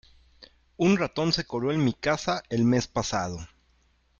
Un ratón se coló en mi casa el mes pasado.